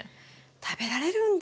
食べられるんだ。